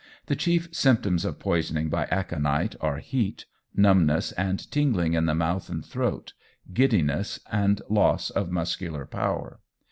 The chief symptoms of poisoning by aconite are heat, numbness and tingling in the mouth and throat, giddiness, and loss of muscular power.